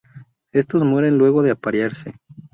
Estos mueren luego de aparearse.